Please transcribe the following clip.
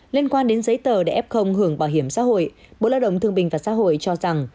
liên quan đến giấy tờ để f hưởng bảo hiểm xã hội bộ lao động thương bình và xã hội cho rằng